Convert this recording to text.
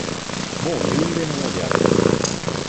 もう、夕暮れのようである。